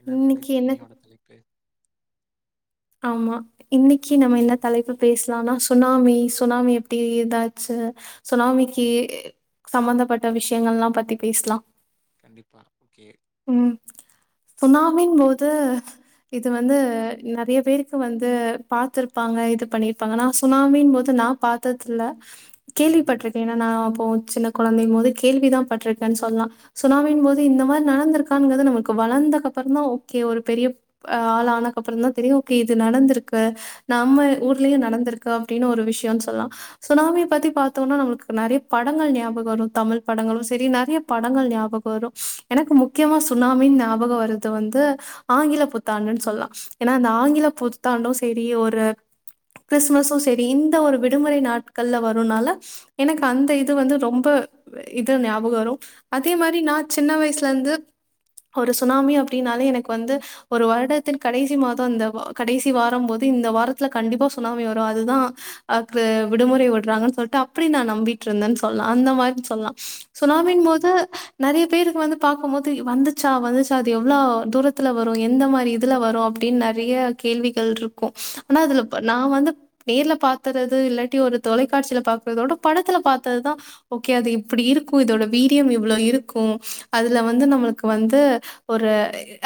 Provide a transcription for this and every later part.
என்ன இன்னைக்கு தலைப்பு என்ன இன்னையோட தலைப்பு ஆமா இன்னிக்கு நம்ம என்ன தலைப்பு பேசலாம்னா சுனாமி சுனாமி எப்டி ஏதாச்சு சுனாமிக்கு ம் சம்மந்தப்பட்ட விஷயங்கள்லாம் பத்தி பேசலாம் கண்டிப்பா ஓகே ம் சுனாமின் போது இது வந்து நெறய பேருக்கு வந்து பாத்துருப்பாங்க இது பண்ணியிருப்பாங்க நா சுனாமின் மோது நா பாத்ததுல்ல ம் கேள்விப்பட்ருக்கேன் ஏன்னா நா அப்போ சின்ன கொழந்தையின் மோது கேள்வி தான் பட்டிருக்கன் சொல்லாம் சுனாமியின் மோது இந்த மாரி நடந்திருக்கான்மோது நமக்கு வளந்த கப்பறோம் தான் ஓகே ஒரு பெரிய அ ஆள் ஆனக்கு அப்பறோம் தான் தெரியும் ஓகே இது நடந்திருக்கு நம்ம ஊர்லயும் நடந்திருக்கு அப்டின்னு ஒரு விஷயோம்னு சொல்லலாம் சுனாமிய பத்தி பாத்தோம்னா நம்ளக்கு நறய படங்கள் ஞாபகம் வரும் தமிழ் படங்களும் சேரி நறய படங்கள் ஞாபகம் வரும் எனக்கு முக்கியமா சுனாமின் ஞாபகம் வருது வந்து ஆங்கில புத்தாண்டுன்னு சொல்லாம் ஏன்னா அந்த ஆங்கில புத்தாண்டும் சேரி ஒரு கிறிஸ்மஸும் சேரி இந்த ஒரு விடுமுறை நாட்கள்ல வருனால எனக்கு அந்த இது வந்து ரொம்ப இது ஞாபகம் வரும் அதே மாரி நா சின்ன வயசுல வந்து ஒரு சுனாமி அப்டினாலே எனக்கு வந்து ஒரு வருடத்தின் கடைசி மாத இந்த கடைசி வாரம்போது இந்த வாரத்துல கண்டிப்பா சுனாமி வரு அது தா அக்கு விடுமுறை விடுறாங்கன் சொல்ட்டு அப்டி நா நம்பிட்டு இருந்தன் சொல்லா அந்த மாரின் சொல்லா ம் சுனாமின் போது நெறய பேருக்கு வந்து பாக்கும் போது வந்துச்சா வந்துச்சா அது எவ்ள தூரத்துல வரு எந்த மாரி இதுல வரு அப்டின் நெறய கேள்விகள் இருக்கு ஆனா அதுல நா வந்து நேர்ல பாத்துறது இல்லாட்டி ஒரு தொலைக்காட்சியில பாக்குறதோட படத்துல பாத்ததுதா ஓகே அது இப்டி இருக்கு இதோட வீரியம் இவ்ளோ இருக்கு அதுல வந்து நம்மளுக்கு வந்து ஒரு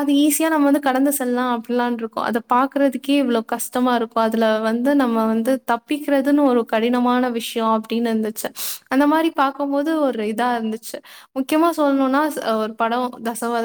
அது ஈஸியா நம்ம வந்து கடந்து செல்லா அப்டிலான்ருக்கோ அத பாக்குறதுக்கே இவ்ளோ கஷ்டமா இருக்கோ அதுல வந்து நம்ம வந்து தப்பிக்கிறதுன் ஒரு கடினமான விஷய அப்டினு இருந்துச்சு அந்த மாரி பாக்கும்போது ஒரு இதா இருந்துச்சு முக்கியமா சொல்னுனா ஒரு படொ தசவ்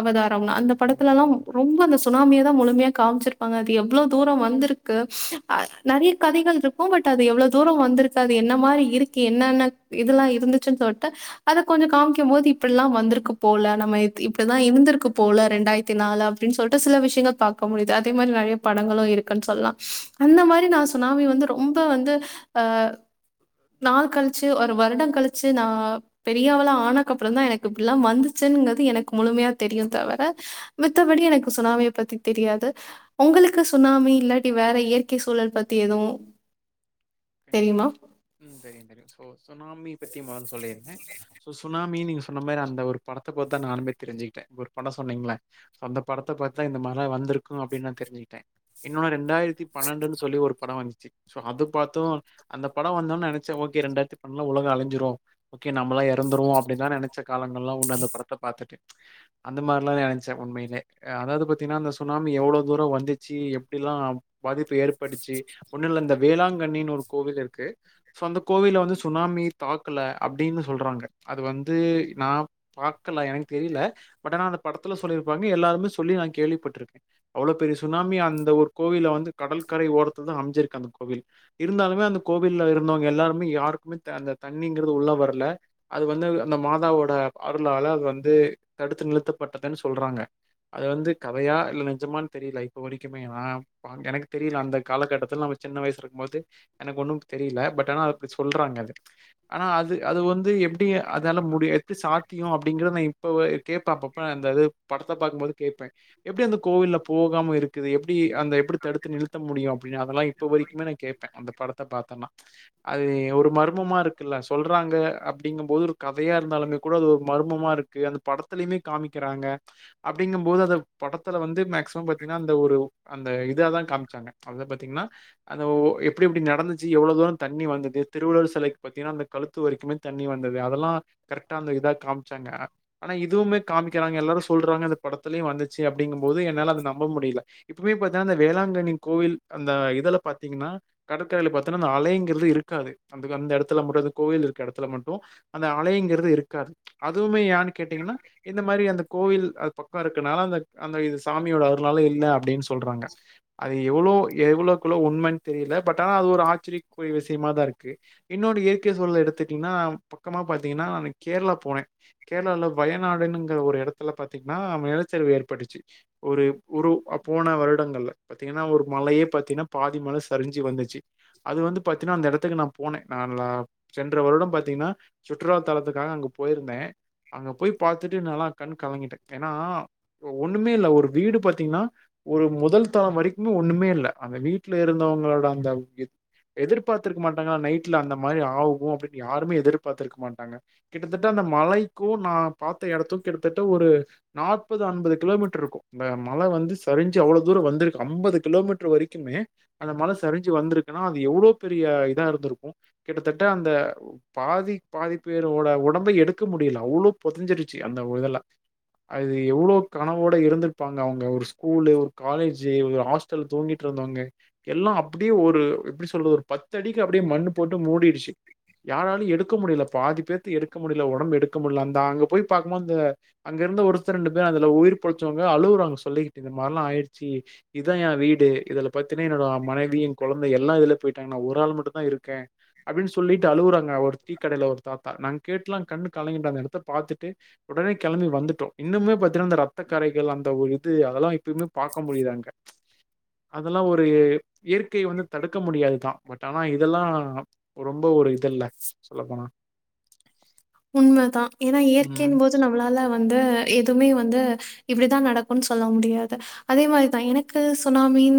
அவதாரம் அந்த ம் படத்துலல்லா ம் ரொம்ப அந்த சுனாமிய தா முழுமையா காமிச்சிருப்பாங்க அது எவ்ளோ தூர வந்திருக்கு அ நெறைய கதைகள் இரு உ கொட்டாது எவ்ளோ தூர வந்திருக்காது என்ன மாரி இருக்கு என்னென்ன இதெல்லா இருந்துச்சுன் சொல்ட்டு அது கொஞ்சோ காமிக்கும் போது இப்பில்லா வந்துருக் க்கு போல நம்ம இப்டிதா இருந்துருக்கு போல ரெண்டாயிரத்தி நாலு அப்டின் சொல்ட்டு சில விஷயங்க பாக்க முடியுது அதே மாரி நெறைய படங்களு இருக்குன் சொல்லா அந்த மாரி நா சுனாமி வந்து ரொம்ப வந்து அ நாள் கழிச்சி ஒரு வருட கழிச்சி நா பெரியவளா ஆனக்கப்புறோ தா எனக்கு இப்டிலா வந்துச்சுங்கிறது எனக்கு முழுமையா தெரியு தவர மித்தபடி எனக்கு சுனாமிய பத்தி தெரியாது உங்களுக்கு சுனாமி இல்லாட்டி வேற இயற்கை சூழல் பத்தி எதுவு கண்டிப்பா ம் தெரியு தெரியு சோ சுனாமி பத்தி மொதல்ல சொல்லிற சோ சுனாமி நீங்க சொன்ன மாரி அந்த ஒரு படத்த பாத்து தா நானுமே தெரிஞ்சுக்கிட்டே ஒரு பட சொன்னீங்கள சோ அந்த படத்த பாத்துதா இந்த மாரி லா வந்திருக்கு அப்டின் நா தெரிஞ்சிகிட்டே இன்னொன்னு ரெண்டாயிரத்தி பன்னெண்டுன் சொல்லி ஒரு பட வந்துச்சி சோ அது பாத் து அந்த படொ வந்தோன் நெனைச்சே ஓகே ரெண்டாயிரத்தி பண்ணண்டுல உலகோ அழஞ்சிரு ஓகே நம்மளா எறந்துருவோ அப்டினா நெனச்ச காலங்கள்லா உண்டு அந்த படத்த பாத்துட்டு அந்த மாரிலா நெனைச்சே உண்மையிலே அதாது பாத்தீங்னா அந்த சுனாமி எவ்ளோ தூர வந்துச்சி எப்டிலா பாதிப்பு ஏற்படுச்சி ஒண்ணுல்ல இந்த வேளாங்கண்ணின் ஒரு கோவில் இருக்கு சோ அந்த கோவில வந்து சுனாமி தாக்கல அப்டினு சொல்றாங்க அது வந்து நா பாக்கல எனக்கு தெரியில பட் ஆனா அந்த படத்துல சொல்லியிருப்பாங்க எல்லாருமே சொல்லி நா கேள்விப்பட்ருக்க அவ்ளோ பெரிய சுனாமி அந்த ஒரு கோவில வந்து கடல்கரை ஓரத்துலதா அமைஞ்சிருக்கு அந்த கோவில் இருந்தாலுமே அந்த கோவில்ல இருந்தவங்க எல்லாருமே யாருக்குமே அந்த தண்ணிங்கிறது உள்ள வரல அது வந்து அந்த மாதாவோட அருளால அது வந்து தடுத்து நிறுத்தப்பட்டதுன் சொல்றாங்க அது வந்து கதையா இல்ல நிஜமான் தெரியல இப்ப வரைக்குமே அ எனக் தெரியில அந்த காலகட்டத்தில் நம்ம சின்ன வயசுல இருக்கும் போது எனக்கு ஒன்னும் தெரியில பட் ஆனா அ அப்டி சொல்றாங்க அத ஆனா அது அது வந்து எப்டி அதால முடியு எப்டி சாத்தியோ அப்டிங்கிறத நா இப்ப கேப்ப அப்பப்ப அந்த அது படத்த பாக்கும்போது கேப்ப எப்டி அந்த கோவில்ல போகாம இருக்குது எப்டி அந்த எப்டி தடுத்து நிறுத்த முடியு அப்டின் அதெல்லா இப்ப வரைக்குமே நா கேப் ப அந்த படத்த பாத்தனா அது ஒரு மர்மமா இருக்குல சொல்றாங்க அப்டிங்கும் போது ஒரு கதையா இருந்தாலுமே கூட அது ஒரு மர்மமா இரு க்கு அந்த படத்துலயுமே காமிக்கிறாங்க அப்டிங்கும் போது அந்த படத்துல வந்து மேக்சிமம் பாத்தீங்கனா அந்த ஒரு அந்த இதா தா காமிச்சாங்க அத பாத்தீங்கன்னா அத ஒ எப் படி எப்டி நடந்துச்சி எவ்ளோ தூர தண்ணி வந்தது திருவள்ளூர் சிலைக் பாத்தீங்கன்னா அந்த கழுத்து வரைக்குமே தண்ணி வந்தது அதெல்லா கரெக்டா அந்த இதா காம்ச்சாங்க ஆனா இதுவுமே காமிக்கிறாங்க எல்லாரு சொல்றாங்க அந்த படத்துலயையு வந்துச்சி அப்டிங்கும் போது என்னால அத நம்ப முடியல இப்பவே பாத்தினா அந்த வேளாங்கண்ணி கோவில் அந்த இதுல பாத்தீங்கன்னா கடற்கரையில பாத்தன்னா அந்த அலைங்கிறது இருக்காது அந்த அந்த எடத்துல மட்டு அந்த கோவில் இருக்கற எடத்துல மட்டு அந்த அலைங்கிறது இருக்காது அதுவுமே யான் கேட்டீங்கன்னா இந்த மாரி அந்த கோவில் அது பக்க இருக்கனால அந்த அந்த இது சாமியோட அருளால இல்ல அப்டின் சொல்றாங்க அது எவ்ளோ எவ்ளோக்குள்ள உண்மைன் தெரியில பட் ஆனா அது ஒரு ஆச்சரிய குரிய விஷயமா தா இருக்கு இன்னோன்னு இயற்கை சூழல் எடுத்துட்டிங்னா பக்கமா பாத்தீங்கன்னா நா கேரளா போனே கேரளால வயநாடுங்கிற ஒரு எடத்துல பாத்தீங்கன்னா நிலச்சரிவு ஏற்பட்டுதுச்சு ஒரு ஒரு போன வருடங்கள்ல பாத்தீங்கன்னா ஒரு மழையே பாத்தீன்னா பாதி மல சரிஞ் சு வந்துச்சு அது வந்து பாத்தீன்னா அந்த எடத்துக்கு நா போனே நா சென்ற வருடம் பாத்தீங்னா சுற்றுலா தலத்துக்காக அங்க போயிருந்தே அங்க போய் பாத்துட்டு என்னால்லா கண் கலங்கிட்ட ஏனா ஒண்ணுமே இல்ல ஒரு வீடு பாத்தீங்னா ஒரு முதல் தளம் வரைக்குமே ஒண்ணுமே இல்ல அந்த வீட்டுல இருந்தவங்களோட அந்த எதிர்பாத்துருக்க மாட்டாங்க நைட்ல அந்த மாரி ஆகு அப்டின் யாருமே எதிர்பாத்திருக்க மாட்டாங்க கிட்டத்தட்ட அந்த மலைக்கு நா பாத்த எடத்துக் கிட்டத்தட்ட ஒரு நாப்பது அம்பது கிலோமீட்டர் இருக்கு இந்த மழ வந்து சரிஞ்சு அவ்ளோ தூரோ வந்திருக்கு அம்பது கிலோமீட்டர் வரைக்குமே அந்த மழ சரிஞ்சு வந்திருக்குன்னா அது எவ்ளோ பெரிய இதா இருந்திருக்கு கிட்டத்தட்ட அந்த பாதிக் பாதிப்பேரோட உடம்பே எடுக்க முடியல அவ்ளோ பொதிஞ்சிருச்சு அந்த ஒரு இதுல அது எவ்ளோ கனவோட இருந்திருப்பாங்க அவங்க ஒரு ஸ்கூலு ஒரு காலேஜு ஹாஸ் க்கள் தூங்கிட் இருந்தோவங்க எல்லா அப் அப்டியே ஒரு எப்டி சொல்றது ஒரு பத்து அடிக்கு அப்டியே மண்ணு போட்டு மூடிருச்சு யாராலயு எடுக்க முடியல பாதி பேத்த எடுக்க முடியல ஒடம்பு எடுக்க முடில்ல அந்த அங்க போய் பாக்குபோது அந்த அங்க இருந்த ஒருத்தர் ரெண்டு பேர் அதுல உயிர் பொழச்சவங்க அழுவுராங்க சொல்லிக்கிட்டு இந்த மார்ல்லா ஆயிரிச்சி இதா என வீடு இதுல பாத்தீன்னா என்னோட மனைவி என கொழந்தை எல்லா இதுல போய்ட்டாங் நா ஒரு ஆள் மட்டு தா இருக்கே அப்டின் சொல்லிட்டு அழுவுறாங்க ஒரு டீ கடையில ஒரு தாத்தா நாங் கேட்டுலா கண்ணு கலங்கிட்டாங்க அந்த இடத்த பாத்துட்டு உடனே கிளம்பி வந்துட்டோ இன்னுமே பாத்தீன்னா அந்த ரத்த கரைகள் அந்த ஒரு இது அதெல்லா எப்பயுமே பாக்க முடியுலனக் அதெல்லா ஒரு இயற்கை வந்து தடுக்க முடியாதுதா பட் ஆனா இதெல்லா ரொம்ப ஒரு இல்ல சொல்ல போனா உண்மதா ஏனா ம் இயற்கையின் போ து நம்மளால வந்து எதுவுமே வந்து இப்டிதா நடக்குன் சொல்ல முடியாது அதே மாரிதா எனக்கு சுனாமின்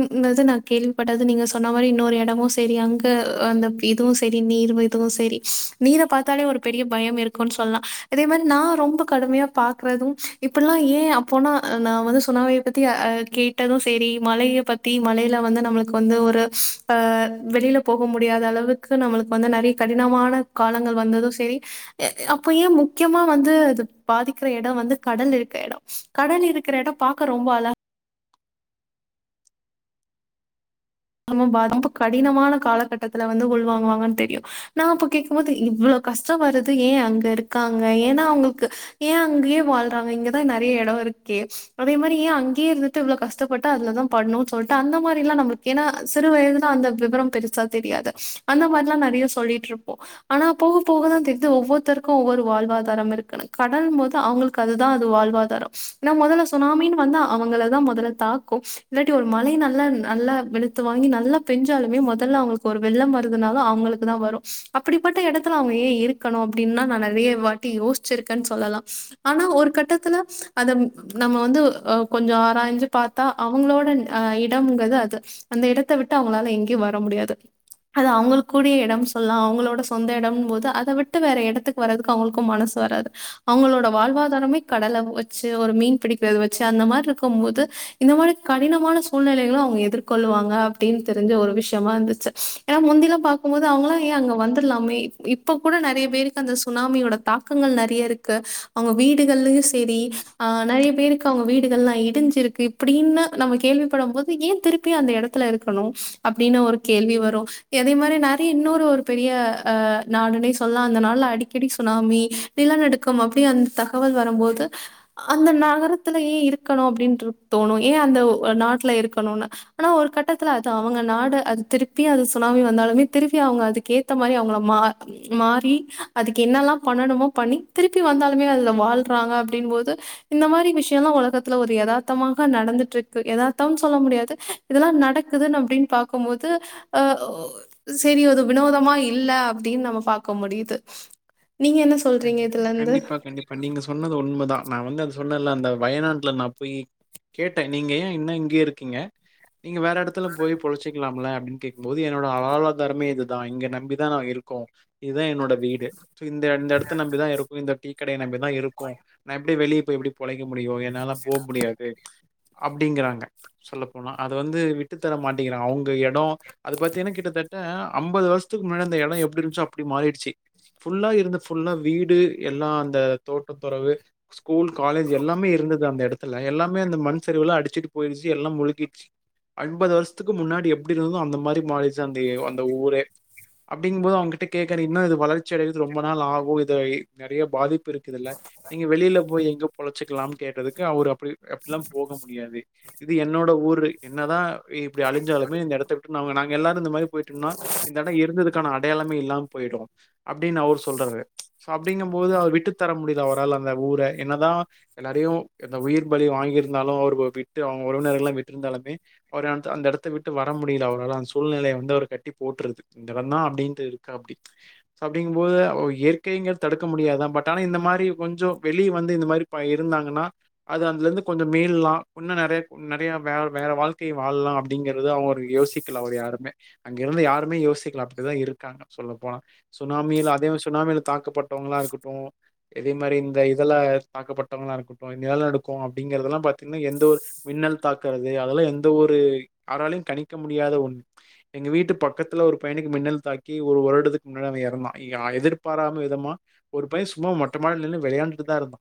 நா கேள்விப்பட்டது நீங்க சொன்ன மாரி இன்னொரு எடமு சரி அங்க அந்த இதுவு சரி நீரு இதுவு சரி நீர பாத்தாலே ஒரு பெரிய பயம் இருக்குன் சொல்லா இதே மாரி நா ரொம்ப கடுமையா பாக்குறது இப்பல்லா ஏ போனா நா வந்து சுனாமிய பத்தி அ எ கேட்டது செரி மலைய பத்தி மலைல வந்து நம்மளுக்கு வந்து ஒரு ஆ வெளியில போகும் முடியாத அளவுக்கு நம்மளுக் வந்து நறைய கடினமான காலங்கள் வந்தது சரி எ அப்ப ஏ முக்கியமா வந்து அது பாதிக்கிற எட வந்து கடல் இருக்கற எடோ கடல் இருக்கிற எடோ பாக்க ரொம்ப அழகா நம்ம பா வந்து கடினமான காலகட்டத்துல வந்து உள்வாங்குவாங்கன் தெரியு நா அப்ப கேக்கு போது இவ்ளோ கஷ்ட வருது ஏ அங்க இருக்காங்க ஏன்னா அவங்களுக்கு ஏய அங்கயே வாழ்றாங்க இங்கதா நெறைய எட இருக்கே அதே மாரி ஏய அங்கேயே இருந்து கிட்டு எவ்ளோ கஷ்டபட்டு அதுலதா பண்ணும்னு சொல்லிட்டு அந்த மாதிரிலா நம்ம ஏன்னா சிறு வயதுல அந்த விவரம் பெருச்சா தெரியாது அந்த மாதிரிலா நெறைய சொல்லிட்டு இருப்போ ஆனா போக போகதா தெரியுது ஒவ்வருத்தருக்கு ஒவ்வொரு வாழ்வாதார இருக்குனு கடன் போது அவங்களுக்கு அதுதா அது வாழ்வாதார ஏன்னா முதல்ல சுனாமின்னு வந்தா அவங்களதா முதல்ல தாக்கு இல்லாட்டி ஒரு மழை நல்ல நல்ல வெளுத்து வாங்கி நல்லா பெஞ்சாலுமே முதல்ல அவங்களுக்கு ஒரு வெள்ள வருதுனாலு அவங்களுக்கு தா வரு அப்டிப்பட்ட இடத்துல அவங்க ஏய இருக்கணு அப்டின்னா நா நெறைய வாட்டி யோசிச்சிருக்கன்னு சொல்லலா ஆனா ஒரு கட்டத்துல அத நம்ம வந்து அ கொஞ்ச ஆராயிஞ்சு பாத்தா அவங்களோட இடங்கறது அது அந்த இடத்த விட்டு அவங்களால எங்கயு வர முடியாது அது அவங்களுக்கு கூடிய இட சொல்லலா அவங்களோட சொந்த இட போது அத விட்டு வேற இடத்துக்கு வர்றதுக்கு அவங்களுக்கு மனசு வராது அவங்களோட வாழ்வாதாரமே கடல வச்சு ஒரு மீன் பிடிக்கிறது வச்சு அந்த மாதிரி இருக்கும்போது இந்த மாரி கடினமான சூழ்நிலைகளு அவங்க எதிர் கொள்ளுவாங்க அப்படின் தெரிஞ்ச ஒரு விஷயமா இருந்துச்சு ஏன்னா முந்திலா பா கும் போது அவங்களா ஏய அங்க வந்துலாமே இப் ப்ப கூட நெறைய பேருக்கு அந்த சுனாமியோட தாக்கங்கள் நெறைய இருக்கு அவங்க வீடுகள்ளு செ செரி ஆ நெறைய பேரு க்கு அவங்க வீடுகள்ல்லா இடிஞ்சிருக்கு இப்டின்னு நம்ம கேள்விப்படு போது ஏய திருப் ப்பி அந்த எடத்துல இருக்கணு அப்டின் ஒரு கேள்வி வரு அதே மாரி நெறைய இன்னொரு ஒரு பெரிய அ நாடுன்னே சொல்லா அந்த நாட்ல அடிக்கடி சுனாமி நிலநடுக்கம் அப்டி அந்த தகவல் வரும்போது அந்த நகரத்துல ஏய இருக்கணு அப்டின் தோணு ஏய அந்த நாட்டுல இருக்கணுனு ஆனா ஒரு கட்டத்துல அது அவங்க நாடு அது திருப்பி அது சுனாமி வந்தாலுமே திருப்பி அவங்க அதுக்கு ஏத்த மாரி அவங்கள மா மாரி அதுக்கு என்னல்லா பண்ணணுமோ பண்ணி திருப்பி வந்தாலுமே அதுல வாழ்றாங்க அப்டிங் போது இந்த மாரி விஷயலா உலகத்துல ஒரு யதார்த்தமாக நடந்துட்டுருக்கு யதார்த்தம்னு சொல்ல முடியாது இதெல்லா நடக்குதுன் அப்டின் பாக்கும்போது அ செரி அது வினோதமா இல்ல அப்டின் நம்ம பாக்க முடியுது நீங்க என்ன சொல்றீங்க கண்டி- இதுல இருந்து கண்டிப்பா கண்டிப்பா நீங்க சொன்னது உண்மதா நா வந்து அது சொன்னல அந்த வயநாட்டுல நா போய் கேட்ட நீங்க ஏய இன்னோ இங்கயே இருக்கீங்க நீங்க வேற எடத்துல போய் பொழச்சுக்கலாம்ல அப்டின்னு கே போது என்னோட வாழ்வாதாரமே இது தா இங்க நம்பிதா நா இருக்கோ இதுதா என்னோட வீடு சோ இந்த எட த்த நம்பி தா இருக்கோ இந்த டீ கடைய நம்பிதா இருக்கோ நா எப்டி வெளிய போய் எப்டி பொழைக்க முடியு என்னால லா போ முடியாது அப்டிங்கறாங்க சொல்ல போனா அது வந்து விட்டு தர மாட்டங்கிறாங்க அவங்க எட அது பாத்திங்கன்னா கிட்டத்தட்ட அம்பது வருசத்துக்கு முன்னாடி அந்த எட எப்டி இருந்ஞ்ச்சோ அப்டி மாறிடுச்சு ஃபுல்லா இருந்த ஃபுல்லா வீடு எல்லா அந்த தோட்டத்தொறவு ஸ்கூல் காலேஜ் எல்லாமே இருந்தது அந்த எடத்துல எல்லாமே அந்த மண் சரிவுல அடிச்சிட்டு போயிடுச்சு எல்லாம் முழுகிருச்சி அம்பது வருஷத்துக்கு முன்னாடி எப்டி இருந்தோ அந்த மாரி மாறிச்சு அந்த அந்த ஊரே அப்டிங்கும் போது அவங்கிட்ட கேக்ற இன்னு இது வளர்ச்சி அடையறதுக்கு ரொம்ப நாள் ஆகு ஓ இதுல நெறைய பாதிப்பு இருக்குதுள்ள நீங்க வெளில போய் எங்க பொழச்சுக்கலா கேட்டதுக்கு அவரு அப்டி அப்டிலா போக முடியாது இது என்னோட ஊரு என்னதா இப்டி அழிஞ்சாலுமே இந்த எடத்த விட்டு நாங்க நாங்க எல்லாரு இந்த மாரி போயிட்டோம்னா இந்த எட இருந்ததுக்கான அடையாளமே இல்லாம போயிடும் அப்டின் அவர் சொல்றாரு சோ அப்டிங்கும் போது அவர் விட்டு தர முடில அவரால அந்த ஊர என்னதா எல்லாரையு இந்த உயிர் பலி வாங்கியிருந்தாலு அவர் விட்டு அவங்க உறவினர்கள்லா விட்டுருந்தாலுமே அவர் அந்த அந்த எடத்த விட்டு வர முடில அவரால அந்த சூழ்நிலைய வந்து அவர் கட்டி போட்டுருது அந்த எடோந் தாஒ. அப்டின்ட்டு இருக்கு அப்டி அப்டிங்கும்போது இயற் க்கைங்கறத தடுக்க முடியாதா பட் ஆனா இந்த மாரி கொஞ்சோ வெளிய வந்து இந்த மாரி இருந்தாங்கன்னா அது அதுல இருந்து கொஞ்சம் மீள்லா இன்னு நறைய நறைய வேற வேற வாழ்க்கைய வாழ்லா அப்டிங்கறத அவுங்க ஒரு யோசி க்ல யாருமே அங்க இருந்து யாருமே யோசிக்கல அப்டிதா இருக்காங்க சொல்ல போனா சுனாமில அதே மாரி சுனாமில தாக்கப்பட்டவுங்களா இருக்கட்டு இதே மாரி இந்த இதுல தாக்கப்பட்டவுங்களா இருக்கு நிலநடுக்கோ அப்டிங்கறதெல்லா பாத்தீங்கன்னா எந்த ஒரு மின்னல் தாக்குறது அதெல்லா எந்த ஒரு யாராலையு கணிக்க முடியாத ஒன்னு எங்க வீட்டு பக்கத்துல ஒரு பையனுக்கு மின்னல் தாக்கி ஒரு வருடத்துக்கு முன்னாடி அவ எறந்தா அ எதிர்ப் பாராம விதமா ஒரு பையன் சும்மா மொட்ட மாடில நின்னு வெளையாண்டுட்டு தா இருந்தா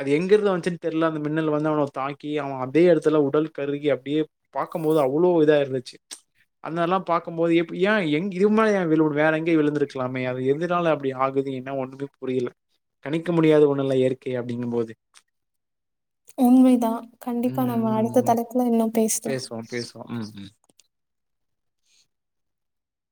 அது எங்கிருந்து வந்ச்சுன்னு தெர்ல அந்த மின்னல் வந்து அவன தாக்கி அவ அதே எடத்துல உடல் கருகி அப்டியே பாக்கும்போது அவ்ளோ இதா இருந்துச்சி அந்த மாரில்லாம் பாக்கும்போது எப் ஏன் எங்க இது மாரி ஏ விழனு வேற எங்கயோ விழுந்திருக்லாமே அது எதுனால அப் அப்டி ஆகுது ஏனா ஒண்ணு புரில கணிக்க முடியாத ஒண்ணுல்ல இயற்கை அப்டிங்கும் போது உண்மைதா ம், கண்டிப்பா நம்ம அடுத்த தலைப்புல இன்னு பேசலா பேசுவோ ம் ம்